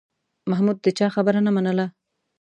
محمود د چا خبره نه منله